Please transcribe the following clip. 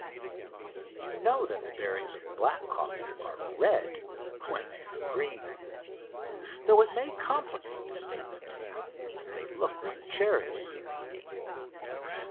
You know that the berries of black coffee are red when they are green. Though it may complicate the statement, they look like cherries.